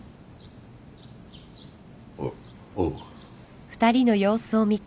おっおう。